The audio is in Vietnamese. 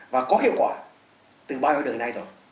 và có hiệu quả từ bao nhiêu đời nay rồi